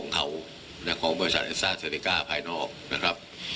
หายนอกนะครับ